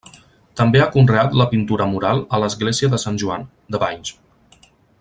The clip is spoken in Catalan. També ha conreat la pintura mural a l'església de Sant Joan, de Valls.